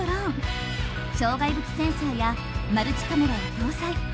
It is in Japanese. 障害物センサーやマルチカメラを搭載。